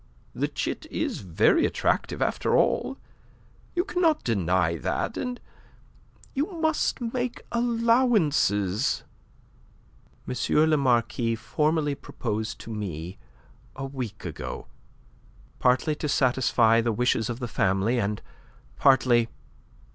The chit is very attractive, after all. You cannot deny that. And you must make allowances." "M. le Marquis formally proposed to me a week ago. Partly to satisfy the wishes of the family, and partly..."